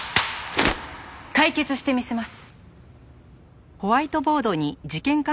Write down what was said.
解決してみせます。